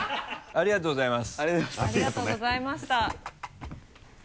ありがとうございます。